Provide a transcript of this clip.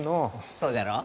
そうじゃろう？